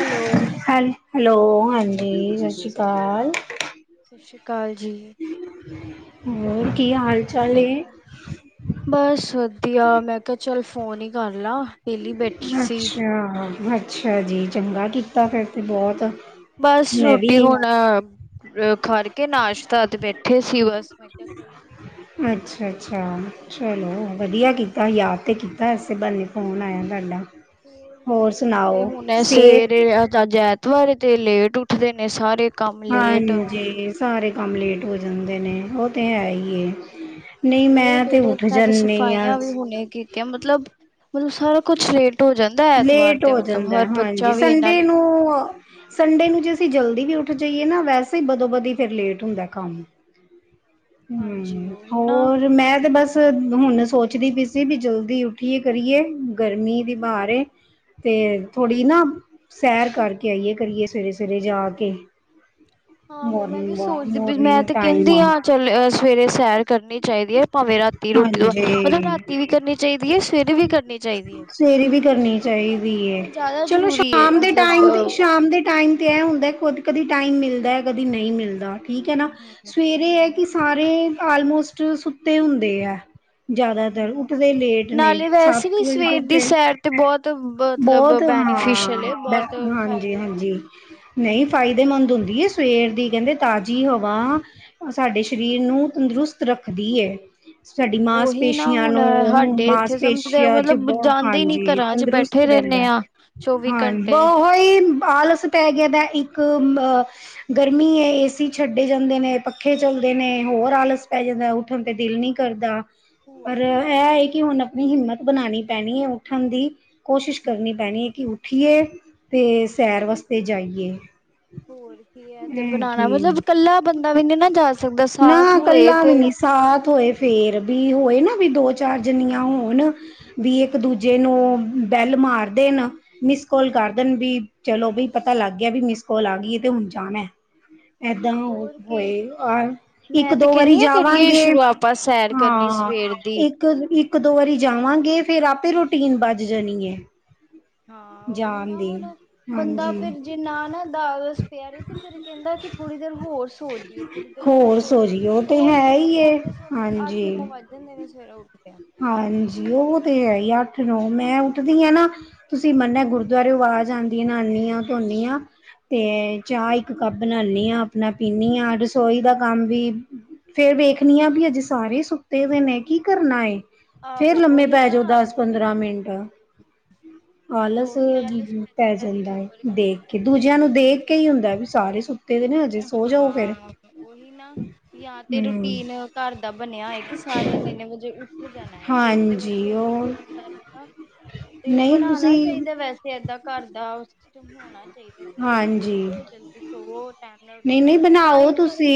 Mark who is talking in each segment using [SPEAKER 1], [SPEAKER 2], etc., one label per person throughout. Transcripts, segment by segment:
[SPEAKER 1] Hello.
[SPEAKER 2] ਹੈੱਲ, hello, ਹਾਂਜੀ ਸਤਿ ਸ਼੍ਰੀ ਅਕਾਲ।
[SPEAKER 1] ਸਤਿ ਸ਼੍ਰੀ ਅਕਾਲ ਜੀ,
[SPEAKER 2] ਹੋਰ ਕੀ ਹਾਲ ਚਾਲ ਐ?
[SPEAKER 1] ਬਸ ਵਧੀਆ ਮੈਂ, ਕਿਹਾ ਚੱਲ ਫੋਨ ਹੀ ਕਰਲਾ ਪਹਿਲੀ ਬੈਠੀ ਸੀ।
[SPEAKER 2] ਹਾਂ, ਹਾਂ, ਅੱਛਾ ਜੀ, ਚੰਗਾ ਕੀਤਾ ਫਿਰ ਤਾਂ ਬਹੁਤ
[SPEAKER 1] ਬਸ
[SPEAKER 2] ਮੈਂ ਵੀ
[SPEAKER 1] ਰੋਟੀ ਹੁਣ ਖਕੇ ਨਾਸ਼ਤਾਦ ਬੈਠੇ ਸੀ ਬਸ ਮੈਂ ਕਿਹਾ। ਚਲ
[SPEAKER 2] ਅੱਛਾ, ਅੱਛਾ, ਚਲੋ ਵਧੀਆ ਕੀਤਾ, ਯਾਦ ਤਾਂ ਕੀਤਾ ਇਸੇ ਬੱਲੇ ਫ਼ੋਨ ਆਇਆ ਤੁਹਾਡਾ ਹੋਰ ਸੁਣਾਓ
[SPEAKER 1] ਮੈ
[SPEAKER 2] ਸਿਹਤ
[SPEAKER 1] ਸਵੇਰੇ ਜ ਦੁਵਰੇ ਤੇ ਲੇਟ ਉੱਠਦੇ ਨੇ ਸਾਰੇ ਕੰਮ ਲੇਟ,
[SPEAKER 2] ਹਾਂਜੀ ਸਾਰੇ ਕੰਮ ਲੇਟ ਹੋ ਜਾਂਦੇ, ਨੇ ਉਹ ਤਾਂ ਹੈ ਹੀ ਹੈ।
[SPEAKER 1] ਬੜੇ ਹੀ ਲੇਟੇ ਮੈਂ ਤੇ ਸਫਾਈਆਂ ਵੀ ਹੁਣ ਮਤਲਬ-ਮਤਲਬ ਸਾਰਾ ਕੁਛ ਲੇਟ ਹੋ ਜਾਂਦਾ। ਐਤਵਾਰ
[SPEAKER 2] ਲੇਟ
[SPEAKER 1] ਤੇ
[SPEAKER 2] ਹੋ
[SPEAKER 1] ਮਤਲਬ ਹਰ
[SPEAKER 2] ਜਾਂਦਾ,
[SPEAKER 1] ਬੱਚਾ
[SPEAKER 2] ਹਾਂਜੀ
[SPEAKER 1] ਵੀ ਇੰਨਾ
[SPEAKER 2] ਸੰਡੇ
[SPEAKER 1] ਲੇਟ
[SPEAKER 2] ਨੂੰ ਸੰਡੇ ਨੂੰ ਜੇ ਅਸੀਂ ਜਲਦੀ ਵੀ ਉੱਠ ਜਾਈਏ, ਨਾ ਵੈਸੇ ਹੀ ਬਦੋਬਦੀ ਫਿਰ ਲੇਟ ਹੁੰਦਾ ਕੰਮ
[SPEAKER 1] ਹਾਂਜੀ
[SPEAKER 2] ਹੂੰ
[SPEAKER 1] ਉਹੀ ਨਾ
[SPEAKER 2] ਹੋਰ ਮੈਂ ਤੇ ਬਸ, ਹੁਣ ਸੋਚਦੀ ਪਈ ਸੀ, ਵੀ ਜਲਦੀ ਉੱਠੀਏ ਕਰੀਏ ਗਰਮੀ ਦੀ ਬਾਰ ਤੇ ਥੋੜ੍ਹੀ ਨਾ ਸੈਰ ਕਰਕੇ ਆਈਏ ਕਰੀਏ, ਸਵੇਰੇ ਸਵੇਰੇ ਜਾ ਕੇ।
[SPEAKER 1] ਆਹੋ ਮੈਂ ਵੀ
[SPEAKER 2] ਮੋਰਨਿੰਗ
[SPEAKER 1] ਸੋਚਦੀ ਵੀ ਮੈਂ
[SPEAKER 2] ਮੋਰਨਿੰਗ
[SPEAKER 1] ਤੇ
[SPEAKER 2] ਟਾਈਮ
[SPEAKER 1] ਕਹਿੰਦੀ
[SPEAKER 2] ਆ
[SPEAKER 1] ਹਾਂ ਚੱਲ ਅ ਸਵੇਰੇ ਸੈਰ ਕਰਨੀ ਚਾਹੀਦੀ ਹੈ, ਭਾਵੇਂ ਰਾਤੀ ਰੋਟੀ ਤੋਂਵਾ ਮਤਲਬ
[SPEAKER 2] ਹਾਂਜੀ
[SPEAKER 1] ਰਾਤੀ ਵੀ ਕਰਨੀ ਚਾਹੀਦੀ ਹੈ, ਸਵੇਰੇ ਵੀ ਕਰਨੀ ਚਾਹੀਦੀ ਹੈ।
[SPEAKER 2] ਸਵੇਰੀ ਵੀ ਕਰਨੀ ਚਾਹੀਦੀ ਹੈ,
[SPEAKER 1] ਸਵੇਰੇ ਜ਼ਿਆਦਾ
[SPEAKER 2] ਚਲੋ
[SPEAKER 1] ਜ਼ਰੂਰੀ ਹੈ
[SPEAKER 2] ਸ਼ਾਮ ਦੇ
[SPEAKER 1] ਮਤਲਬ
[SPEAKER 2] ਟਾਈਮ
[SPEAKER 1] ਅ
[SPEAKER 2] ਸ਼ਾਮ ਦੇ ਟਾਈਮ, ਇਹ ਹੁੰਦਾ ਕਦੇ ਟਾਈਮ ਮਿਲਦਾ ਕਦੀ ਨਹੀਂ ਮਿਲਦਾ ਠੀਕ ਹੈ, ਨਾ ਸਵੇਰੇ ਇਹ ਕਿ ਸਾਰੇ ਸ ਆਲਮੋਸਟ ਸੁੱਤੇ ਹੁੰਦੇ ਹੈ। ਜ਼ਿਆਦਾਤਰ ਉਠਦੇ ਲੇਟ ਨੇ ਸੱਤ ਵਜੇ ਤਕ
[SPEAKER 1] ਏਤੇ ਤੇ ਬਹੁਤ ਮਤਲਬ
[SPEAKER 2] ਬਹੁਤ
[SPEAKER 1] ਬੈਨੀਫਿਸ਼ਅਲ ਹੈ
[SPEAKER 2] ਹਾਂ
[SPEAKER 1] ਬਹੁਤ ਫਾਇਦੇ
[SPEAKER 2] ਹਾਂਜੀ-ਹਾਂਜੀ, ਨਹੀ ਫਾਇਦੇਮੰਦ ਹੁਦੀ ਹੈ, ਸਵੇਰ ਦੀ ਕਹਿਦੇ ਤਾਜ਼ੀ ਹਵਾ ਸਾਡੇ ਸਰੀਰ ਨੂੰ ਤੰਦਰੁਸਤ ਰਖਦੀ ਹੈ। ਸਾਡੀ
[SPEAKER 1] ਉਹੀ ਨਾ
[SPEAKER 2] ਮਾਸਪੇਸ਼ੀਆਂ
[SPEAKER 1] ਹੁਣ
[SPEAKER 2] ਨੂੰ
[SPEAKER 1] ਸਾਡੇ ਇੱਥੇ ਸਮਝਦੇ
[SPEAKER 2] ਮਾਸਪੇਸ਼ੀਆਂ 'ਚ
[SPEAKER 1] ਮਤਲਬ
[SPEAKER 2] ਬਹੁ
[SPEAKER 1] ਜਾਂਦੇ ਹੀ ਨੀ
[SPEAKER 2] ਹਾਂਜੀ
[SPEAKER 1] ਘਰਾਂ ਚ
[SPEAKER 2] ਤੰਦਰੁਸਤ
[SPEAKER 1] ਬੈਠੇ
[SPEAKER 2] ਰਹਿੰਦਾ
[SPEAKER 1] ਰਹਿੰਦੇ ਆ ਚੌਵੀ
[SPEAKER 2] ਹਾਂ ਬ
[SPEAKER 1] ਘੰਟੇ
[SPEAKER 2] ਹੀ ਆਲਸ ਪੈ ਗਿਆ ਦਾ ਇਕ ਅ ਗਰਮੀ ਹੈ, ਏਸੀ ਛਡੇ ਜਾਦੇ ਨੇ ਪੱਖੇ ਚਲਦੇ ਨੇ ਹੋਰ ਆਲਸ ਪੈ ਜਾਦਾ ਉਠਣ ਤੇ ਦਿਲ ਨੀ ਕਰਦਾ
[SPEAKER 1] ਹੋਰ
[SPEAKER 2] ਪਰ
[SPEAKER 1] ਕੀ
[SPEAKER 2] ਇਹ ਹੈ ਕਿ ਹੁਣ ਆਪਣੀ ਹਿਮਤ ਬਣਾਉਣੀ ਪੈਣੀ ਹੈ ਉਠਣ ਦੀ ਕੋਸ਼ਿਸ਼ ਕਰਨੀ ਪੈਣੀ
[SPEAKER 1] ਹਮ
[SPEAKER 2] ਹੈ ਕਿ ਉਠਏ ਤੇ ਸੈਰ ਵਾਸਤੇ ਜਾਈਏ
[SPEAKER 1] ਹੋਰ ਕੀ ਹੈ ਤੇ ਬਣਾਉਣਾ
[SPEAKER 2] ਕਿ
[SPEAKER 1] ਮਤਲਬ ਇਕਲਾ ਬੰਦਾ ਵੀ ਨਹੀ ਨਾ ਜਾ ਸਕਦਾ
[SPEAKER 2] ਨਾ
[SPEAKER 1] ਸਾਥ ਹੋਏ
[SPEAKER 2] ਕੱਲਾ ਵੀ
[SPEAKER 1] ਤੇ
[SPEAKER 2] ਨੀ ਸਾਥ ਹੋਏ ਫੇਰ ਵੀ ਹੋਏ ਨਾ ਵੀ ਦੋ ਚਾਰ ਜਨੀਆਂ ਹੋਣ ਵੀ ਇਕ ਦੂਜੇ ਜਿਹਨੂੰ ਬੈਲ ਮਾਰਦੇ ਨੇ ਮਿਸ ਕੋਲ ਕਰ ਦੇਣ ਵੀ ਚਲੋ ਬਈ ਪਤਾ ਲਗ ਗਿਆ ਵੀ ਮਿਸ ਕੋਲ ਆ ਗਈਏ ਤੇ ਹੁਣ ਜਾਣਾ ਏਦਾਂ
[SPEAKER 1] ਹੋਰ ਕੀ
[SPEAKER 2] ਹੋਏ ਇਕ
[SPEAKER 1] ਮੈਂ ਤੇ
[SPEAKER 2] ਦੋ ਵਾਰੀ
[SPEAKER 1] ਕਹਿੰਦੀ ਆ ਕਰੀਏ
[SPEAKER 2] ਜਾਵਗੇ
[SPEAKER 1] ਸ਼ੁਰੂ ਆਪਾਂ ਸੈਰ ਕਰਨੀ
[SPEAKER 2] ਹਾਂ
[SPEAKER 1] ਸਵੇਰ ਦੀ
[SPEAKER 2] ਇਕ ਇਕ ਦੋ ਵਾਰੀ ਜਾਵਾਗੇ ਫੇਰ ਆਪੇ ਰੂਟੀਨ ਬੱਜ ਜਾਣੀ ਹੈ।
[SPEAKER 1] ਹਾਂ ਉਹੀ ਨਾ ਹੋਣਾ ਬੰਦਾ
[SPEAKER 2] ਹਾਂਜੀ
[SPEAKER 1] ਫੇਰ ਜੇ ਨਾ ਨਾ ਦਾਲਸ ਪਿਆਰੇ ਤੇ ਫੇਰ ਕਹਿਦਾ ਕਿ ਥੋੜੀ ਦੇਰ ਹੋਰ ਸੋ ਜਾਈਏ ਥੋੜੀ ਦੇਰ ਹੋਰ ਸੋ ਜਾਈਏ
[SPEAKER 2] ਸੋਜੀ ਉਹ ਤੇ
[SPEAKER 1] ਹੋਰ
[SPEAKER 2] ਹੈ ਹੀ ਏ
[SPEAKER 1] ਸੋਦੇ ਸੌਦੇ ਅੱਠ
[SPEAKER 2] ਹਾਂਜੀ
[SPEAKER 1] ਨੋ ਵੱਜ ਜਾਦੇ ਨੇ ਸਵੇਰੇ ਉਠ ਕੇ
[SPEAKER 2] ਹਾਂਜੀ ਉਹ ਤੇ ਹੈ ਹੀ ਅੱਠ ਨੌ ਮੈਂ ਉਠਦੀ ਹਾਂ ਨਾ ਅਸੀ ਮੰਨਿਆ ਗੁਰਦੁਆਰੇ ਆਵਾਜ਼ ਆਉਦੀ ਨਾਨੀ ਆ ਧੋਨਿ ਆ ਤੇ ਚਾਹ ਇਕ ਕੱਪ ਬਣਾਣੀ ਹਾਂ ਆਪਣਾ ਪੀਨੀ ਹਾਂ ਰਸੋਈ ਦਾ ਕਮ ਵੀ। ਫੇਰ ਵੇਖਣੀ ਆ ਵੀ ਅਜੇ ਸਾਰੇ ਸੁੱਤੇ ਦੇ ਨੇ ਕੀ ਕਰਨਾ ਫੇਰ
[SPEAKER 1] ਆਹੋ
[SPEAKER 2] ਲੰਮੇ
[SPEAKER 1] ਉਹੀ
[SPEAKER 2] ਪੈ
[SPEAKER 1] ਨਾ
[SPEAKER 2] ਜਾਓ ਦਸ
[SPEAKER 1] ਆਲਸ
[SPEAKER 2] ਪੰਦਰਾਂ ਮਿੰਟ ਆਲਸ
[SPEAKER 1] ਉਹੀ ਆਲਸ ਪੈਦਾ
[SPEAKER 2] ਪੈ ਜਾਦਾ ਹੈ
[SPEAKER 1] ਹੋਰ
[SPEAKER 2] ਦੇਖ ਕੇ ਦੂਜਿਆਂ ਨੂੰ ਦੇਖ
[SPEAKER 1] ਤੇ
[SPEAKER 2] ਕੇ ਹੀ ਹੁਦਾ ਵੀ ਸਾਰੇ ਸੁਤੇ
[SPEAKER 1] ਹਾਂ ਉਹੀ ਨਾ ਜਾਂ ਤੇ
[SPEAKER 2] ਹਮ
[SPEAKER 1] ਰੂਟੀਨ ਘਰ ਦਾ ਬਣਿਆ ਹੋਇ ਕਿ ਸਾਰੇਆਂ ਨੇ ਇਹਨੇ ਵਜੇ ਉਠ ਜਾਣਾ ਫੇਰ ਤੇ
[SPEAKER 2] ਹਾਂਜੀ
[SPEAKER 1] ਵਧੀਆ ਕੀ
[SPEAKER 2] ਉਹ
[SPEAKER 1] ਕੋਈ ਸ ਨਾ ਤੇ
[SPEAKER 2] ਨਹੀਂ
[SPEAKER 1] ਬਣਾਣਾ
[SPEAKER 2] ਤੁਸੀਂ
[SPEAKER 1] ਚਾਹੀਦਾ ਵੈਸੇ ਏਦਾਂ ਘਰ ਦਾ ਉਸ ਹੋਣਾ ਚਾਹੀਦਾ ਕਿ ਜਲਦੀ ਉਠੋ ਜਲਦੀ ਸਵੋ
[SPEAKER 2] ਨਹੀ ਨਹੀ ਬਣਾਓ ਤੁਸੀ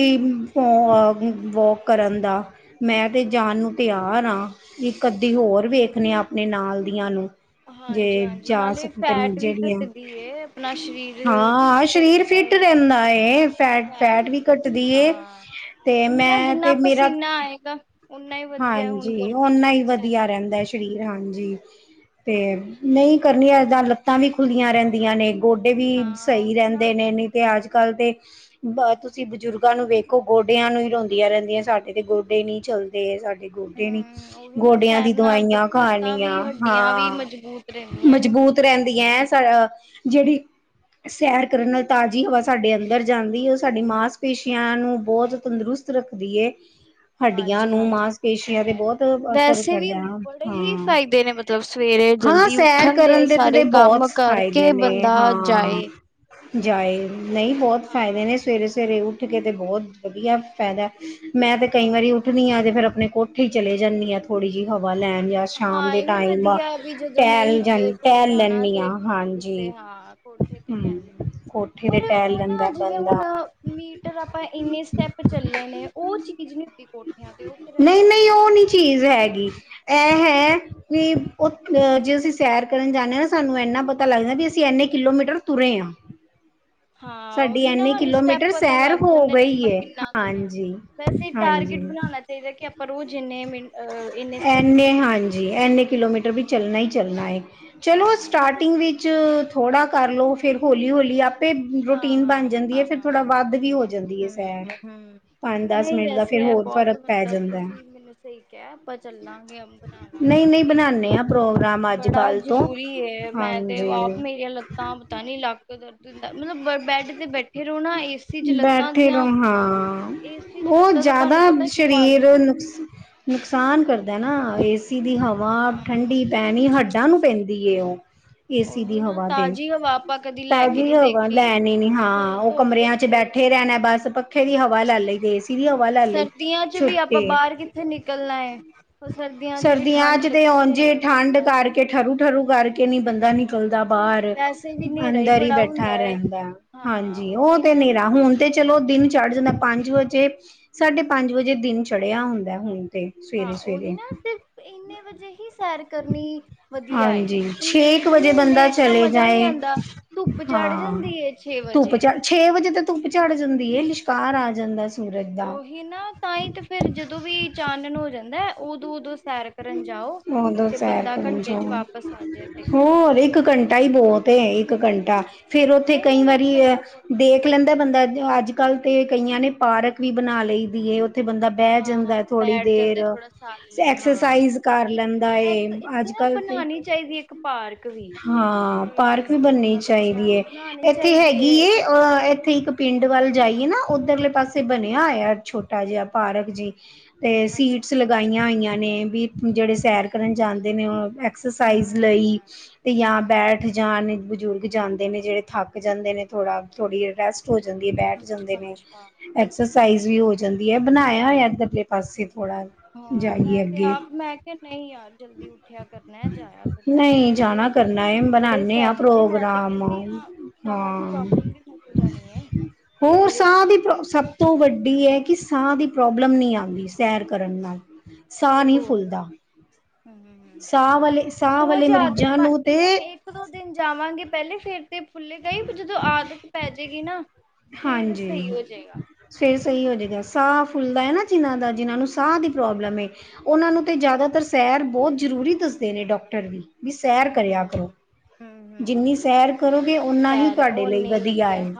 [SPEAKER 2] ਵੋਕ ਕਰਨ ਦਾ ਮੈਂ ਤੇ ਜਾਣ ਨੂੰ ਤਿਆਰ ਹਾਂ ਇਕ ਅਧੀ ਹੋਰ ਵੇਖਣੇ ਆ ਆਪਣੇ ਨਾਲ ਦੀਆ ਨੂੰ ਜੇ
[SPEAKER 1] ਹਾਂਜੀ ਹਾਂਜੀ
[SPEAKER 2] ਜਾ
[SPEAKER 1] ਨਾਲੇ
[SPEAKER 2] ਸਕਣ
[SPEAKER 1] ਫੈਟ ਵੀ
[SPEAKER 2] ਜਿਹੜੀਆਂ
[SPEAKER 1] ਘੱਟਦੀ ਹੈ ਆਪਣਾ ਸਰੀਰ ਚੁਸਤ
[SPEAKER 2] ਫੀਰ
[SPEAKER 1] ਰਹਿੰਦਾ
[SPEAKER 2] ਫਿਟ
[SPEAKER 1] ਏ
[SPEAKER 2] ਰਹਿਦਾ ਫੈ ਫੈਟ ਵੀ ਘੱਟਦੀ ਤੇ
[SPEAKER 1] ਹੁਣ ਨਾ
[SPEAKER 2] ਮੈਂ
[SPEAKER 1] ਜਿੰਨਾ
[SPEAKER 2] ਤੇ ਮੇਰਾ
[SPEAKER 1] ਪਸੀਨਾ ਆਏਗਾ ਓਨਾ ਹੀ ਵਧੀਆ ਹੁਣ
[SPEAKER 2] ਹਾਂਜੀ
[SPEAKER 1] ਗਰਮੀ ਚ
[SPEAKER 2] ਓਨਾ ਹੀ ਵਧੀਆ
[SPEAKER 1] ਸੈਰ
[SPEAKER 2] ਰਹਿਦਾ ਸਰੀਰ ਹਾਂਜੀ ਤੇ ਨਹੀ ਕਰਨੀਆਂ ਇਏਦਾਂ ਲੱਤਾਂ ਵੀ ਖੁੱਲੀਆਂ ਰਹਿਦੀਆਂ ਨੇ ਗੋਡੇ ਵੀ
[SPEAKER 1] ਹਾਂ
[SPEAKER 2] ਸਹੀ
[SPEAKER 1] ਉਹੀ ਨਾ
[SPEAKER 2] ਰਹਿਦੇ ਨੇ ਨਹੀ ਤੇ ਅਜ ਕਲ ਦੇ ਬ ਤੁਸੀ ਬਜ਼ੁਰਗਾਂ ਨੂੰ ਵੇਖੋ ਗੋਡਿਆਂ ਨੂੰ ਹੀ ਰੋਂਉਦੀਆਂ ਰਹਿਦੀਆਂ ਸਾਡੇ ਤੇ ਗੋਡੇ ਨਹੀ ਚੱਲਦੇ ਸਾਡੇ ਗੋਡੇ ਨੀ
[SPEAKER 1] ਹੂੰ ਉਹ ਵੀ ਨਾ
[SPEAKER 2] ਗੋਡਿਆਂ
[SPEAKER 1] ਸੈਰ
[SPEAKER 2] ਦੀ
[SPEAKER 1] ਨਾਲ
[SPEAKER 2] ਦਵਾਈਆਂ ਖਾਣੀਆਂ ਹਾਂ
[SPEAKER 1] ਫਿਟ ਰਹਿਣੀਆ
[SPEAKER 2] ਮਜ਼ਬੂਤ ਰਹਿਦੀ ਹੈ। ਜਿਹੜੀ ਸੈਰ ਕਰਨ ਨਾਲ ਤਾਜ਼ੀ ਹਵਾ ਸਾਡੇ ਅੰਦਰ ਜਾਦੀ ਉਹ ਸਾਡਡੀ ਮਾਸਪੇਸ਼ੀਆਂ ਨੂੰ ਬਹੁਤ ਤੰਦਰੁਸਤ ਰੱਖਦੀ ਹੈ।
[SPEAKER 1] ਹਾਂਜੀ ਜੀ ਹਾਂਜੀ ਤੁ
[SPEAKER 2] ਤੇ
[SPEAKER 1] ਕਹਿ ਰਹੇ
[SPEAKER 2] ਬਹੁਤ ਅਸਰ
[SPEAKER 1] ਵੈਸੇ ਵੀ
[SPEAKER 2] ਕਰਦਾ
[SPEAKER 1] ਬੜੇ ਹੀ
[SPEAKER 2] ਹਾਂ
[SPEAKER 1] ਫਾਇਦੇ ਨੇ ਮਤਲਬ ਸਵੇਰੇ
[SPEAKER 2] ਹਾਂ
[SPEAKER 1] ਜਲਦੀ
[SPEAKER 2] ਸੈਰ
[SPEAKER 1] ਉਠਣ ਦੇ
[SPEAKER 2] ਕਰਨ
[SPEAKER 1] ਸਾਰੇ
[SPEAKER 2] ਤੇ ਬਹੁਤ
[SPEAKER 1] ਕਮ ਕਰਕੇ
[SPEAKER 2] ਫਾਇਦੇ ਨੇ
[SPEAKER 1] ਬੰਦਾ
[SPEAKER 2] ਹਾਂ।
[SPEAKER 1] ਜਾਏ
[SPEAKER 2] ਜਾਏ ਨਹੀ
[SPEAKER 1] ਤੇ
[SPEAKER 2] ਬਹੁਤ ਫਾਇਦੇ ਨੇ
[SPEAKER 1] ਹਾਂ-ਹਾਂ-ਹਾਂ।
[SPEAKER 2] ਸਵੇਰੇ ਸਵੇਰੇ ਉਠ ਕੇ ਤਾਂ ਬਹੁਤ ਵਧੀਆ ਫਾਇਦਾ ਮੈਂ ਤੇ ਕਈ ਵਾਰੀ ਉਠਣੀ ਹਾਂ ਤੇ ਫੇਰ ਆਪਣੇ ਕੋਠੇ ਚਲੇ ਜਾਦੀ ਹਾਂ ਥੋੜ੍ਹੀ ਜਿਹੀ ਹਵਾ ਲੈਣ ਜਾ
[SPEAKER 1] ਹਾਂ
[SPEAKER 2] ਸ਼ਾਮ
[SPEAKER 1] ਹਾਂ
[SPEAKER 2] ਦੇ
[SPEAKER 1] ਇਹ ਵੀ
[SPEAKER 2] ਟਾਈਮ
[SPEAKER 1] ਵਧੀਆ ਵੀ ਜਦੋਂ
[SPEAKER 2] ਟਹਿਲ ਜਾਂ
[SPEAKER 1] ਨਹੀਂ ਕੋਈ
[SPEAKER 2] ਟਹਿਲ
[SPEAKER 1] ਜਾਣਾ
[SPEAKER 2] ਲੈਂਨੀ
[SPEAKER 1] ਤੇ
[SPEAKER 2] ਆ
[SPEAKER 1] ਉੱਤੇ
[SPEAKER 2] ਹਾਂਜੀ।
[SPEAKER 1] ਹਾਂ ਕੋਠੇ ਤੇ
[SPEAKER 2] ਹੂੰ
[SPEAKER 1] ਟਹਿਲ
[SPEAKER 2] ਕੋਠੇ ਤੇ
[SPEAKER 1] ਪਰ
[SPEAKER 2] ਟਹਿਲ
[SPEAKER 1] ਉਹ ਨਾ
[SPEAKER 2] ਲੈਂਦਾ
[SPEAKER 1] ਜਿਵੇਂ
[SPEAKER 2] ਬੰਦਾ
[SPEAKER 1] ਹੁਣ ਮੀਟਰ ਆਪਾਂ ਇੰਨੇ ਸਟੈਪ ਚੱਲੇ ਨੇ ਉਹ ਚੀਜ਼ ਨੀ ਹੁੰਦੀ ਕੋਟ
[SPEAKER 2] ਨਈ ਨਈ ਉਹ ਨੀ ਚੀਜ਼ ਹੈਗੀ। ਇਹ ਹੈ ਵੀ ਉਹ ਅ ਜੇ ਅਸੀਂ ਸੈਰ ਕਰਨ ਜਾਂਨੇ ਆ ਸਾਨੂੰ ਇੰਨਾ ਪਤਾ ਲੱਗਦਾ ਵੀ ਅਸੀਂ ਇੰਨੇ ਕਿਲੋਮੀਟਰ ਤੁਰੇ ਆ।
[SPEAKER 1] ਹਾਂ ਉਹੀ ਨਾ ਸਾਨੂੰ ਸਟੈਪ
[SPEAKER 2] ਕਿਲੋਮੀਟਰ
[SPEAKER 1] ਪਤਾ
[SPEAKER 2] ਸੈਰ
[SPEAKER 1] ਲੱਗ
[SPEAKER 2] ਹੋ
[SPEAKER 1] ਜਾਂਦੇ ਨੇ
[SPEAKER 2] ਗਈ
[SPEAKER 1] ਆਪਾਂ
[SPEAKER 2] ਹੈ
[SPEAKER 1] ਕਿੰਨਾ ਤੁਰੇ ਆ
[SPEAKER 2] ਹਾਂਜੀ
[SPEAKER 1] ਅਸੀਂ
[SPEAKER 2] ਹਾਂਜੀ
[SPEAKER 1] ਟਾਰਗੇਟ ਬਣਾਨਾ ਚਾਹੀਦਾ ਚਾਈਦਾ ਕਿ ਆਪਾਂ ਰੋਜ਼ ਜਿੰਨੇ ਮਿਨ ਅ ਇੰਨੇ ਸਟੈਪ ਤੁਰਨਾ ਹੀ ਹੈਂ
[SPEAKER 2] ਐਨੇ ਕਿਲੋਮੀਟਰ ਵਿੱ ਚੱਲਣਾ ਈ ਚੱਲਣਾ ਏ ਚਲੋ,
[SPEAKER 1] ਹਾਂ ਨਹੀਂ
[SPEAKER 2] ਸਟਾਰਟਿੰਗ ਵਿੱਚ ਥੋੜ੍ਹਾ ਕਰ ਲਓ, ਫਿਰ ਹੌਲੀ-ਹੌਲੀ ਆਪ ਤੇ ਰੋਟੀਨ ਬਣ
[SPEAKER 1] ਹਾਂ
[SPEAKER 2] ਜਾਂਦੀ ਏ ਫੇਰ ਥੋੜਾ
[SPEAKER 1] ਹਾਂ
[SPEAKER 2] ਵੱਧ ਵੀ ਹੋ ਜਾਂਦੀ ਏ ਸੈਰ। ਪੰਜ ਦਸ
[SPEAKER 1] ਨਈ
[SPEAKER 2] ਮਿੰਟ ਦਾ
[SPEAKER 1] ਵੈਸੇ
[SPEAKER 2] ਫਿਰ
[SPEAKER 1] ਹੈ,
[SPEAKER 2] ਹੋਰ
[SPEAKER 1] ਬਹੁਤ
[SPEAKER 2] ਫ਼ਰਕ ਪੈ
[SPEAKER 1] ਮਤਲਬ
[SPEAKER 2] ਜਾਂਦਾ
[SPEAKER 1] ਤੁਸੀਂ
[SPEAKER 2] ਹੈ।
[SPEAKER 1] ਮੈਨੂੰ ਸਈ ਕਿਹਾ ਆਪਾਂ ਚੱਲਾਂਗੇ ਬਣਾਵਾਂਗੇ
[SPEAKER 2] ਨਹੀਂ ਨਹੀਂ
[SPEAKER 1] ਕਿਉਂਕਿ,
[SPEAKER 2] ਬਣਾਉਦੇ ਹਾਂ ਪ੍ਰੋਗਰਾਮ ਅੱਜ
[SPEAKER 1] ਬੜਾ
[SPEAKER 2] ਕੱਲ੍ਹ ਤੋਂ
[SPEAKER 1] ਜਰੂਰੀ ਏ ਮੈਂ ਤੇ ਵ
[SPEAKER 2] ਹਾਂਜੀ
[SPEAKER 1] ਮੇਰੀਆਂ ਲੱਤਾਂ ਪਤਾ ਨੀ ਲੱਗ ਦਿੰਦਾ ਮਤਲਬ ਬ ਬੈਡ ਤੇ ਬੈਠੇ ਰਹੋ ਨਾ, ਏਸੀ 'ਚ ਲੱਤਾਂ
[SPEAKER 2] ਬੈਠੇ ਰਹੋ
[SPEAKER 1] ਦੀਆਂ,
[SPEAKER 2] ਹਾਂ
[SPEAKER 1] ਏਸ
[SPEAKER 2] ਉਹ ਜ਼ਿਆਦਾ ਸਰੀਰ ਨੁਕਸ-ਨੁਕਸਾਨ ਕਰਦਾ ਨਾ ਏਸ ਦੀ ਹਵਾ
[SPEAKER 1] ਹਾਂ
[SPEAKER 2] ਠੰਡੀ ਪੈਣੀ ਹੱਡਾਂ ਨੂੰ ਪੈਂਦੀ ਏ ਉਹ। ਏਸੀ ਦੀ
[SPEAKER 1] ਉਹੀ ਨਾ
[SPEAKER 2] ਹਵਾ ਤੇ
[SPEAKER 1] ਤਾਜ਼ੀ ਹਵਾ ਆਪਾਂ ਕਦੀ ਲੈ ਕ
[SPEAKER 2] ਤਾਜ਼ੀ ਹਵਾ ਲੈਣੀ ਨੀ ਹਾਂ ਉਹ ਕਮਰਿਆਂ 'ਚ
[SPEAKER 1] ਅਹ
[SPEAKER 2] ਬੈਠੇ ਰਹਿਣਾ, ਬਸ ਪੱਖੇ ਦੀ ਹਵਾ ਲੈ ਲਈ ਦੇ
[SPEAKER 1] ਸਰਦੀਆਂ 'ਚ ਵੀ ਆਪਾਂ ਬਾਹਰ ਕਿੱਥੇ ਨਿਕਲਣਾ ਏ। ਸਰਦੀਆਂ 'ਚ ਵੀ ਠੰਢ ਲੱਗੀ ਤੇ ਕਮਰ 'ਚ
[SPEAKER 2] ਠਰੂ-ਠਰੂ ਕਰਕੇ ਨੀ ਬੰਦਾ ਨਿਕਲਦਾ ਬਾਹਰ
[SPEAKER 1] ਵੈਸੇ ਵੀ ਹਨੇਰਾ ਹੀ
[SPEAKER 2] ਅੰਦਰ ਈ
[SPEAKER 1] ਬੜਾ
[SPEAKER 2] ਬੈਠ ਠਾ
[SPEAKER 1] ਹੁੰਦਾ ਹੈ।
[SPEAKER 2] ਰਹਿੰਦਾ
[SPEAKER 1] ਹਾਂ
[SPEAKER 2] ਹਾਂਜੀ, ਉਹ
[SPEAKER 1] ਉਹੀ
[SPEAKER 2] ਤੇ
[SPEAKER 1] ਨਾ
[SPEAKER 2] ਨੇਰਾ ਹੁਣ ਤੇ ਚਲੋ, ਦਿਨ ਚੜ ਜਾਂਦਾ ਪੰਜ ਵਜੇ। ਸਾਢੇ ਪੰਜ ਵਜੇ ਦਿਨ ਚੜਿਆ ਹੁੰਦੇਅ ਹੁਣ ਤੇ।
[SPEAKER 1] ਹਾਂ
[SPEAKER 2] ਸਵੇਰੇ
[SPEAKER 1] ਉਹੀ
[SPEAKER 2] ਸਵੇਰੇ
[SPEAKER 1] ਨਾ ਤੇ ਇੰਨੇ ਵਜੇ ਹੀ ਸੈਰ ਕਰਨੀ ਵਧੀਆ ਏ।
[SPEAKER 2] ਹਾਂਜੀ, ਛੇ ਕ
[SPEAKER 1] ਲੇਟ
[SPEAKER 2] ਵਜੇ
[SPEAKER 1] ਨੀ
[SPEAKER 2] ਬੰਦਾ
[SPEAKER 1] ਲੇਟ ਤਾਂ
[SPEAKER 2] ਚਲੇ
[SPEAKER 1] ਮਜ਼ਾ ਨਹੀਂ
[SPEAKER 2] ਜਾਏ।
[SPEAKER 1] ਆਉਂਦਾ ਧੁੱਪ ਚੜ
[SPEAKER 2] ਹਾਂ,
[SPEAKER 1] ਜਾਂਦੀ ਏ ਛੇ
[SPEAKER 2] ਧੁੱਪ
[SPEAKER 1] ਵਜੇ
[SPEAKER 2] ਚਾ ਛੇ ਵਜੇ ਤਾਂ ਧੁੱਪ ਚੜ ਜਾਂਦੀ ਏ, ਲਿਸ਼ਕਾਰ ਆ ਜਾਂਦਾ ਸੂਰਜ ਦਾ।
[SPEAKER 1] ਹੀ ਨਾ ਤਾਂ ਈ ਤੇ ਫੇਰ ਜਦੋਂ ਵੀ ਚਾਨਣ ਹੋ ਜਾਂਦਾ ਐ, ਉਦੋ-ਉਦੋਂ ਸੈਰ ਕਰਨ ਜਾਓ,
[SPEAKER 2] ਉਦੋਂ
[SPEAKER 1] ਤੇ
[SPEAKER 2] ਸੈਰ
[SPEAKER 1] ਬੰਦਾ
[SPEAKER 2] ਕਰਨ
[SPEAKER 1] ਘੰਟੇ 'ਚ
[SPEAKER 2] ਜਾਓ
[SPEAKER 1] ਵਾਪਸ ਆ ਜੇ ਅੰਧੇ ਘੰਟੇ।
[SPEAKER 2] ਤੇ ਇੱਕ ਘੰਟਾ ਫੇਰ ਉੱਥੇ
[SPEAKER 1] ਨਹੀਂ
[SPEAKER 2] ਕਈ
[SPEAKER 1] ਨਹੀਂ ਇੱਕ
[SPEAKER 2] ਵਾਰੀ ਦੇਖ
[SPEAKER 1] ਘੰਟਾ ਬਹੁਤ
[SPEAKER 2] ਦੇਖ ਲੈਂਦਾ, ਬੰਦਾ ਅੱਜ-ਕੱਲ੍ਹ ਤੇ ਕਈਆਂ ਨੇ ਪਾਰਕ ਵੀ ਬਣਾ ਲਈ ਦੀ ਏ ਉੱਥੇ ਬੰਦਾ ਬਹਿ
[SPEAKER 1] ਹਾਂ
[SPEAKER 2] ਜਾਂਦਾ ਐ ਥੋੜ੍ਹੀ
[SPEAKER 1] ਬੈਠ ਜਾਂਦਾ
[SPEAKER 2] ਦੇਰ
[SPEAKER 1] ਥੋੜਾ ਸਾਹ ਲੈ, ਹਾਂ
[SPEAKER 2] ਐਕਸਰਸਾਈਜ਼
[SPEAKER 1] ਤੇ
[SPEAKER 2] ਕਰ ਲੈਂਦਾ ਏ,
[SPEAKER 1] ਇੱਕ ਇੱਥੇ ਨਾ
[SPEAKER 2] ਅੱਜ-ਕੱਲ ਤੇ,
[SPEAKER 1] ਬਣਾਉਣੀ ਚਾਹੀਦੀ ਇੱਕ ਪਾਰਕ ਵੀ
[SPEAKER 2] ਹਾਂ। ਪਾਰਕ
[SPEAKER 1] ਲੇਡੀਜ਼
[SPEAKER 2] ਵੀ
[SPEAKER 1] ਲਈ
[SPEAKER 2] ਬਣਨੀ
[SPEAKER 1] ਜਾਂ ਬੱਚਿਆਂ
[SPEAKER 2] ਚਾਈਦੀ
[SPEAKER 1] ਲਈ
[SPEAKER 2] ਏ,
[SPEAKER 1] ਬਣਾਉਣੀ
[SPEAKER 2] ਇੱਥੇ
[SPEAKER 1] ਚਾਹੀਦੀ ਹੈ
[SPEAKER 2] ਹੈਗੀ ਏ
[SPEAKER 1] ਇੱਥੇ
[SPEAKER 2] ਅ ਇੱਥੇ ਇੱਕ ਪਿੰਡ ਵੱਲ ਜਾਈਏ ਨਾ ਉੱਧਰਲੇ ਪਾਸੇ ਬਣਿਆ ਹੋਇਆ, ਛੋਟਾ ਜਿਹਾ ਪਾਰਕ ਜੀ। ਤੇ
[SPEAKER 1] ਅੱਛਾ
[SPEAKER 2] ਸੀਟਸ
[SPEAKER 1] ਅੱਛਾ ਅੱਛਾ
[SPEAKER 2] ਲਗਾਈਆਂ ਹੋਈਆਂ, ਨੇ ਵੀ ਜਿਹੜੇ ਸੈਰ ਕਰਨ ਜਾਂਦੇ ਨੇ ਉਹ ਐਕਸਰਸਾਈਜ਼
[SPEAKER 1] ਹਮ
[SPEAKER 2] ਲਈ ਤੇ ਜਾਂ
[SPEAKER 1] ਹਮ
[SPEAKER 2] ਬੈਟ ਉੱਥੇ ਜਾਣ ਬਜ਼ੁਰਗ ਜਾਂਦੇ ਨੇ, ਜਿਹੜੇ ਥੱਕ ਜਾਂਦੇ ਨੇ ਥੋੜਾ ਥੋੜ੍ਹੀ ਰੈਸ ਹੋ ਜਾਂਦੀ ਏ ਬੈਠ ਜਾਂਦੇ
[SPEAKER 1] ਅੱਛਾ
[SPEAKER 2] ਨੇ।
[SPEAKER 1] ਅੱਛਾ
[SPEAKER 2] ਐਕਸਰਸਾਈਜ਼ ਵੀ ਹੋ ਜਾਂਦੀ ਏ ਬਣਾਇਆ ਹੋਇਆ, ਪਰਲੇ ਪਾਸੇ ਥੋੜਾ
[SPEAKER 1] ਹਾਂ ਮੈਂ
[SPEAKER 2] ਜਾਈਏ
[SPEAKER 1] ਤੇ
[SPEAKER 2] ਅੱਗੇ।
[SPEAKER 1] ਮੈਂ ਕਿਹਾ ਨਈ ਯਾਰ ਜਲਦੀ ਉੱਠਿਆ ਕਰਨਾ ਅ ਜਾਇਆ ਕਰਨਾ
[SPEAKER 2] ਨਹੀਂ
[SPEAKER 1] ਸੈਰ ਤੇ
[SPEAKER 2] ਜਾਣਾ ਕਰਨਾ ਹੈ
[SPEAKER 1] ਬੜੇ
[SPEAKER 2] ਬਣਾਨੇ ਆ
[SPEAKER 1] ਫਾਇ ਮੈਂ ਤੇ
[SPEAKER 2] ਪ੍ਰੋਗਰਾਮ
[SPEAKER 1] ਕਹਿੰਦੀ ਆ, ਸਾਹ ਦੀ
[SPEAKER 2] ਹਾਂ
[SPEAKER 1] ਪ੍ਰੋਬਲਮ ਵੀ ਮੁੱਕ ਜਾਣੀ ਏ।
[SPEAKER 2] ਹੋਰ ਸਾਹ ਦੀ ਪ੍ਰੋ ਸਭ ਤੋਂ ਵੱਡੀ ਐ, ਕਿ ਸਾਹ ਦੀ ਪ੍ਰੋਬਲਮ ਨੀ ਆਂਦੀ ਸੈਰ ਕਰਨ ਨਾਲ, ਸਾਹ
[SPEAKER 1] ਤੇ
[SPEAKER 2] ਨੀ
[SPEAKER 1] ਹੋਰ ਹੂੰ ਹੂੰ ਹੂੰ
[SPEAKER 2] ਸਾਹ ਵਾਲੇ ਸਾਹ ਵਾਲੇ
[SPEAKER 1] ਰੋਜ਼ ਆਦਤ
[SPEAKER 2] ਮਰੀਜ਼ਾਂ
[SPEAKER 1] ਪਾ
[SPEAKER 2] ਨੂੰ ਤੇ
[SPEAKER 1] ਹੁਣ ਇੱਕ ਦੋ ਦਿਨ ਜਾਵਾਂਗੇ, ਪਹਿਲੇ ਫੇਰ ਤੇ ਫੁੱਲੇ ਗਾ ਈ ਫਰ ਜਦੋਂ ਆਦਤ ਪੈ ਜੇਗੀ ਨਾ ਫੇਰ ਸਈ ਹੋਜੇਗਾ।
[SPEAKER 2] ਫੇਰ ਸਈ ਹੋਜੇਗਾ, ਸਾਹ ਫੁੱਲਦਾ ਐ ਨਾ ਜਿਨਾਂ ਦਾ ਜਿਨਾਂ ਨੂੰ ਸਾਹ ਦੀ ਪ੍ਰੋਬਲਮ ਏ ਉਹਨਾਂ ਨੂੰ ਤੇ ਜ਼ਿਆਦਾਤਰ ਸੈਰ ਬੋਤ ਜ਼ਰੂਰੀ ਦੱਸਦੇ ਨੇ ਡਾਕਟਰ ਵੀ। ਵੀ ਸੈਰ ਕਰਿਆ ਕਰੋ।
[SPEAKER 1] ਹੂੰ-ਹੂੰ-ਹੂੰ
[SPEAKER 2] ਜਿੰਨੀ ਸੈਰ ਕਰੋਗੇ, ਓਨਾ ਹੀ ਤੁਹਾਡੇ ਲਈ ਵਧੀਆ ਏ।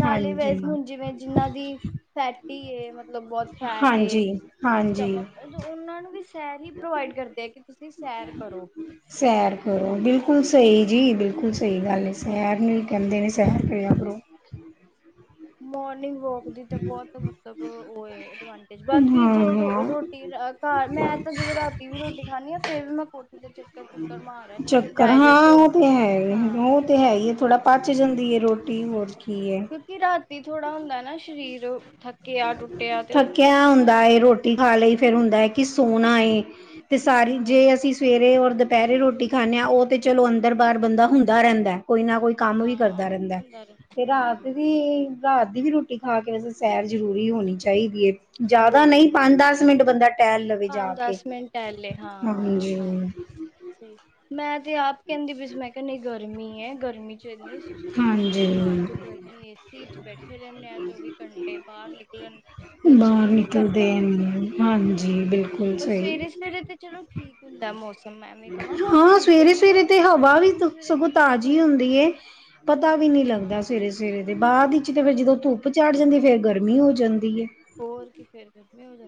[SPEAKER 1] ਨਾਲ ਹੀ ਵੈਸ ਹੁਣ ਜਿਵੇਂ ਜਿਨਾਂ ਦੀ ਫੈ
[SPEAKER 2] ਹਾਂਜੀ-ਹਾਂਜੀ,
[SPEAKER 1] ਤੇ ਉਹਨਾਂ ਨੂੰ ਵੀ ਸੈਰ ਹੀ ਪ੍ਰੋਵਾਈਡ ਕਰਦੇ ਆ, ਕਿ ਤੁਸੀਂ ਸੈਰ ਕਰੋ।
[SPEAKER 2] ਸੈਰ ਕਰੋ ਬਿਲਕੁਲ ਸਹੀ ਜੀ, ਬਿਲਕੁਲ
[SPEAKER 1] ਹਾਂ
[SPEAKER 2] ਸਹੀ ਗੱਲ ਏ। ਪੈਰ ਨਹੀਂ ਗੰਦੇ ਨੇ ਸੈਰ ਕਰਿਆ ਕਰੋ।
[SPEAKER 1] ਮੋਰਨਿੰਗ ਵਾਕ ਦੀ ਤਾਂ ਬਹੁਤ ਮਤਲਬ ਉਹ ਏ। ਐਡਵਾਂਟੇਜ ਬਾਕੀ ਜੇ ਰੋ
[SPEAKER 2] ਹਾਂ
[SPEAKER 1] ਰੋਟੀ ਘਰ ਮੈਂ ਤਾਂ ਜਦੋਂ ਦੀਦੀ ਰੋਟੀ ਖਾਣੀ ਆ ਫੇਰ ਵੀ ਮੈਂ ਕੋਠੀ ਤੇ ਚੱਕਰ ਚੁੱਕਰ ਮਾਰ ਆਣੀ ਹਾਂ ਕਿ
[SPEAKER 2] ਚੱਕਰ ਹਾਂ
[SPEAKER 1] ਡਾਇਜਸਟ ਹੋ ਰਹੀ।
[SPEAKER 2] ਉਹ ਤੇ ਹੈ ਉਹ ਤੇ ਹੈ ਹੀ ਥੋੜਾ ਪਚ ਜਾਂਦੀ ਐ ਰੋਟੀ ਹੋਰ ਕੀ ਏ।
[SPEAKER 1] ਕਿਉਂਕਿ ਰਾਤੀ ਥੋੜਾ ਹੁੰਦਾ ਨਾ ਸਰੀਰ ਥੱਕਿਆ ਟੁੱਟ
[SPEAKER 2] ਥੱਕਿਆ ਹੁੰਦਾ ਐ ਰੋਟੀ ਖਾ ਲਈ ਫੇਰ ਹੁੰਦਾ ਐ ਕਿ ਸੋਣਾ ਏ। ਤੇ ਸਾਰੀ ਜੇ
[SPEAKER 1] ਹੂੰ
[SPEAKER 2] ਅਸੀਂ ਸਵੇਰੇ ਔਰ ਦੁਪਹਿਰੇ ਰੋਟੀ ਖਾਣੇ ਆ ਓ ਉਹ ਤੇ ਚਲੋ ਅੰਦਰ ਬਾਹਰ ਬੰਦਾ ਹੁੰਦਾ ਰਹਿੰਦਾ ਕੋਈ ਨਾ ਕੋਈ ਕੰਮ ਵੀ
[SPEAKER 1] ਹਾਂ
[SPEAKER 2] ਕਰਦਾ ਰਹਿੰਦਾ
[SPEAKER 1] ਹੁੰਦਾ
[SPEAKER 2] ਤੇ
[SPEAKER 1] ਰਹਿੰਦਾ
[SPEAKER 2] ਰਾਤ
[SPEAKER 1] ਹੂੰ
[SPEAKER 2] ਵੀ ਰਾਤ ਦੀ ਵੀ ਰੋਟੀ ਖਾ ਕੇ ਵੈਸੇ ਸੈਰ ਜ਼ਰੂਰੀ ਹੋਣੀ ਚਾਹੀਦੀ ਏ। ਜ਼ਿਆਦਾ
[SPEAKER 1] ਹੋਰ
[SPEAKER 2] ਨਹੀਂ
[SPEAKER 1] ਕੀ
[SPEAKER 2] ਪੰਜ ਦਸ ਮਿੰਟ ਬੰਦਾ ਟਹਿਲ ਲਵੇ ਜਾ
[SPEAKER 1] ਪੰਜ
[SPEAKER 2] ਕੇ
[SPEAKER 1] ਦਸ ਮਿੰਟ ਟਹਿਲੇ ਹਾਂ
[SPEAKER 2] ਹਾਂਜੀ।
[SPEAKER 1] ਹਾਂ ਸਹੀ ਮੈਂ ਤੇ ਆਪ ਕਹਿੰਦੀ ਪਈ ਸੀ ਮੈਂ ਕਿਹਾ ਨਹੀਂ ਗਰਮੀ ਐ ਗਰਮੀ ਐਨੀ ਸੁਸਤੀ ਪੈਂਦੀ
[SPEAKER 2] ਹਾਂਜੀ
[SPEAKER 1] ਐ ਘਰ 'ਚ ਗਰ ਮੀ ਏਸੀ 'ਚ ਬੈਠੇ ਰਹਿੰਦੇ ਆਂ ਚੌਵੀ ਘੰਟੇ ਬਾਹਰ ਨਿਕਲਣ ਦਾ
[SPEAKER 2] ਬਾਹਰ
[SPEAKER 1] ਜੀਅ ਨਹੀਂ
[SPEAKER 2] ਨਿਕਲਦੇ
[SPEAKER 1] ਕਰਦਾ
[SPEAKER 2] ਨੀ ਹੈਗੇ ਹਾਂਜੀ ਬਿਲ
[SPEAKER 1] ਪਰ ਸਵੇਰੇ-ਸਵੇਰੇ ਤੇ ਚਲੋ ਠੀਕ ਹੁੰਦਾ ਮੌਸਮ ਐਵੇਂ ਕਵਾਂ
[SPEAKER 2] ਹਾਂ
[SPEAKER 1] ਧੁੱਪ ਨੀ
[SPEAKER 2] ਸਵੇਰੇ-ਸਵੇਰੇ
[SPEAKER 1] ਹੋਏ
[SPEAKER 2] ਤੇ ਹਵਾ ਵੀ
[SPEAKER 1] ਸਵੇਰੇ ਸਵੇਰੇ
[SPEAKER 2] ਸਗੋਂ
[SPEAKER 1] ਠੀਕ
[SPEAKER 2] ਤਾਜ਼ੀ
[SPEAKER 1] ਹੁਣ
[SPEAKER 2] ਹੁੰਦੀ ਏ। ਪਤਾ ਵੀ ਨਹੀਂ ਲੱਗਦਾ
[SPEAKER 1] ਹਾਂ
[SPEAKER 2] ਸਵੇਰੇ ਸਵੇਰੇ ਤੇ ਬਾਅਦ ਵਿੱਚ ਤੇ ਫਿਰ ਜਦੋਂ ਧੁੱਪ ਚੜ ਜਾਂਦੀ ਫੇਰ ਗਰਮੀ ਹੋ ਜਾਂਦੀ ਏ।
[SPEAKER 1] ਹੋਰ ਕੀ ਫੇਰ ਗਰਮੀ ਹੋ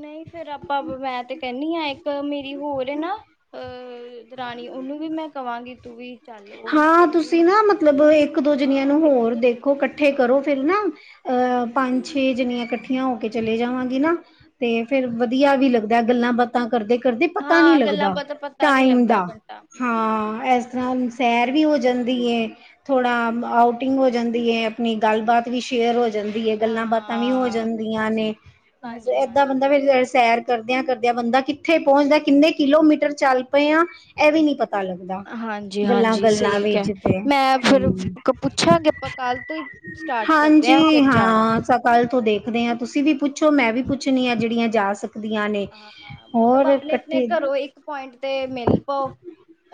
[SPEAKER 1] ਨਹੀਂ ਫੇਰ ਆਪਾਂ ਮੈਂ ਤੇ ਕਹਿੰਣੀ ਹਾਂ ਇੱਕ ਮੇਰੀ ਹੋਰ ਨਾ। ਅਹ ਦਰਾਣੀ ਉਹਨੂੰ ਵੀ ਮੈਂ ਕਵਾਂਗੀ ਤੂੰ ਵੀ ਚੱਲ ਉਹੀ
[SPEAKER 2] ਹਾਂ
[SPEAKER 1] ਕਹਿੰਦੀ
[SPEAKER 2] ਤੁਸੀਂ
[SPEAKER 1] ਹੁੰਦੀ
[SPEAKER 2] ਨਾ
[SPEAKER 1] ਸੀ।
[SPEAKER 2] ਮਤਲਬ ਇੱਕ ਦੋ ਜਨੀਆਂ
[SPEAKER 1] ਹਾਂ
[SPEAKER 2] ਨੂੰ
[SPEAKER 1] ਇੱਕ
[SPEAKER 2] ਹੋਰ
[SPEAKER 1] ਦੋ ਜਣੇ
[SPEAKER 2] ਦੇਖੋ, ਇਕੱਠੇ
[SPEAKER 1] ਹਾਂ
[SPEAKER 2] ਕਰੋ ਫਿਰ ਨਾ ਅਹ ਪੰਜ ਛੇ ਜਣੀਆਂ ਇਕੱਠੀਆਂ ਹੋ ਕੇ ਚਲੇ ਜਾਵਾਂਗੇ ਨਾ। ਤੇ ਫੇਰ ਵਧੀਆ ਵੀ ਲੱਗਦਾ ਗੱਲਾਂ ਬਾਤਾਂ ਕਰਦੇ -ਕਰਦੇ ਪਤਾ ਨੀ
[SPEAKER 1] ਹਾਂ ਗੱਲਾਂ
[SPEAKER 2] ਲੱਗਦਾ
[SPEAKER 1] ਬਾਤਾਂ ਪਤਾ ਨੀ
[SPEAKER 2] ਟਾਈਮ ਦਾ
[SPEAKER 1] ਲੱਗਦਾ ਘੰਟਾ ਹੂੰ
[SPEAKER 2] ਹਾਂ ਇਸ
[SPEAKER 1] ਇਸੇ
[SPEAKER 2] ਤਰ੍ਹਾਂ ਸੈਰ ਵੀ ਹੋ ਜਾਂਦੀ ਏ। ਥੋੜਾ ਆਊਟਿੰਗ ਹੋ ਜਾਂਦੀ ਹੈ ਆਪਣੀ ਗੱਲ ਬਾਤ ਵੀ ਸ਼ੇਅਰ ਹੋ ਜਾਂਦ ਏ ਗੱਲਾਂ ਬਾਤਾਂ ਵੀ ਹੋ
[SPEAKER 1] ਹਾਂ ਬਿਲਕੁਲ
[SPEAKER 2] ਜਾਂਦੀਆਂ
[SPEAKER 1] ਸਹੀ
[SPEAKER 2] ਨੇ
[SPEAKER 1] ਹਾਂਜੀ
[SPEAKER 2] ਏਦਾਂ
[SPEAKER 1] ਹਾਂਜੀ
[SPEAKER 2] ਬੰਦਾ ਫਿਰ
[SPEAKER 1] ਬਿਲਕੁਲ
[SPEAKER 2] ਸਵੇਰੇ ਸੈਰ ਕਰਦਿਆਂ-ਕਰਦਿਆਂ ਬੰਦਾ ਕਿੱਥੇ ਪਹੁੰਚਦਾ ਕਿੰਨੇ ਕਿਲੋਮੀਟਰ ਚੱਲ ਪਏ ਆ ਇਹ ਵੀ ਨੀ ਪਤਾ ਪਤਾ ਲੱਗਦਾ
[SPEAKER 1] ਹਾਂਜੀ ਹਾਂਜੀ
[SPEAKER 2] ਗੱਲਾਂ-ਗੱਲਾਂ
[SPEAKER 1] ਸਹੀ ਕਹਿ
[SPEAKER 2] ਵਿਚ ਤੇ
[SPEAKER 1] ਮੈਂ ਫਿਰ
[SPEAKER 2] ਹੂੰ।
[SPEAKER 1] ਪੁੱਛਾਂਗੇ ਆਪਾਂ ਕੱਲ ਤੋਂ ਹੀ ਸਟਾਰਟ ਕਰਦੇ ਹਾਂ
[SPEAKER 2] ਹਾਂਜੀ
[SPEAKER 1] ਫਿਰ ਜਾਣਾ
[SPEAKER 2] ਹਾਂ ਸ ਕੱਲ੍ਹ ਤੋਂ ਦੇਖਦੇ ਆ ਤੁਸੀਂ ਵੀ ਪੁੱਛੋ ਮੈਂ ਵੀ ਪੁੱਛਣੀ ਆ ਜਿਹੜੀਆਂ ਜਾ ਸਕ ਦੀਆਂ ਨੇ
[SPEAKER 1] ਹਾਂ ਮਤਲਬ
[SPEAKER 2] ਹੋਰ
[SPEAKER 1] ਆਪਣੇ ਆਪਣੇ
[SPEAKER 2] ਇਕੱਠੇ
[SPEAKER 1] ਘਰੋਂ ਇੱਕ ਪੁਆਇੰਟ ਤੇ ਮਿਲ ਪਓ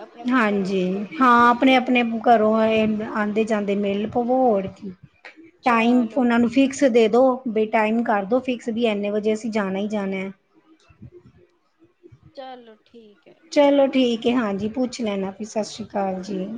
[SPEAKER 1] ਆਪਣੇ-ਆਪਣੇ ਘਰੋਂ
[SPEAKER 2] ਹਾਂਜੀ
[SPEAKER 1] ਨਿਕਲ ਕੇ
[SPEAKER 2] ਹਾਂ
[SPEAKER 1] ਤੇ ਫਿਰ
[SPEAKER 2] ਆਪਣੇ-ਆਪਣੇ ਘਰੋਂ ਆਂਦੇ ਜਾਂਦੇ ਮਿਲ ਪਵੋ ਹੋਰ ਕੀ ਟਾਈਮ
[SPEAKER 1] ਚਲੋ
[SPEAKER 2] ਉਹਨਾ ਨੂੰ
[SPEAKER 1] ਠੀਕ
[SPEAKER 2] ਫਿਕਸ
[SPEAKER 1] ਹੈ
[SPEAKER 2] ਦੇ ਦੋ ਬੇ ਟਾਈਮ ਕਰ ਦੋ ਫਿਕਸ ਵੀ ਇੰਨੇ
[SPEAKER 1] ਹਾਂਜੀ
[SPEAKER 2] ਵਜੇ ਅ ਸੀਂ ਜਾਣਾ ਹੀ ਜਾਣਾ।
[SPEAKER 1] ਚਲੋ ਠੀਕ ਐ।
[SPEAKER 2] ਚਲੋ ਠੀਕ ਐ ਹਾਂਜੀ, ਪੁੱਛ ਲੈਣਾ ਵੀ ਸਤਿ ਸ਼੍ਰੀ ਅਕਾਲ ਜੀ।